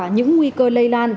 những nguy cơ lây lan